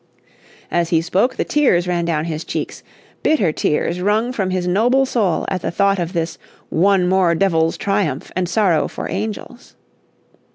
As he spoke the tears ran down his cheeks, bitter tears rung from his noble soul at the thought of this "one more devil's triumph and sorrow for angels."